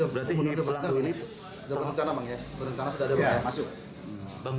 berarti ini berlaku ini